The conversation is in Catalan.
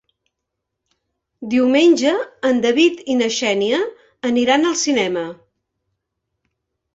Diumenge en David i na Xènia aniran al cinema.